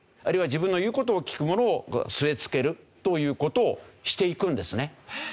あるいは自分の言う事を聞く者を据え付けるという事をしていくんですね。